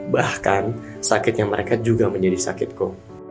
bahkan sakitnya mereka juga menjadi sakitku